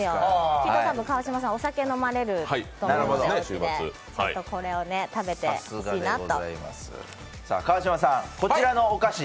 きっと川島さん、お酒飲まれると思うのでこれを食べてほしいなと。